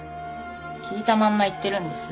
聞いたまんま言ってるんです。